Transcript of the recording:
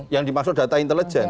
yang dimaksud data intelijen